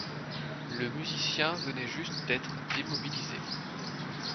Le musicien venait juste d'être démobilisé.